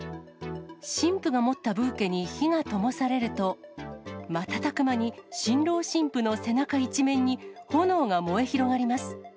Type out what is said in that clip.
新婦が持ったブーケに火がともされると、瞬く間に新郎新婦の背中一面に炎が燃え広がります。